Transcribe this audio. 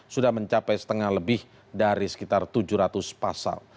sudah mencapai setengah lebih dari sekitar tujuh ratus pasal